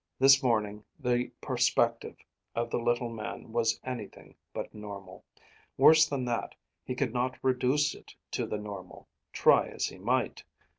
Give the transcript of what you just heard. This morning, the perspective of the little man was anything but normal. Worse than that, he could not reduce it to the normal, try as he might.